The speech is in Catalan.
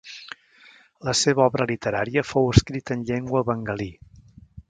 La seva obra literària fou escrita en llengua bengalí.